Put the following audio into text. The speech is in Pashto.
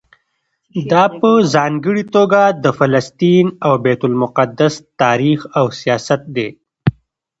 دا په ځانګړي توګه د فلسطین او بیت المقدس تاریخ او سیاست دی.